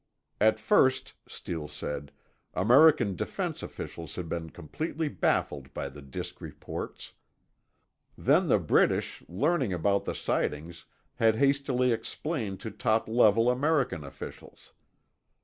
At first, Steele said, American defense officials had been completely baffled by the disk reports. Then the British, learning about the sightings, had hastily explained to top level American officials.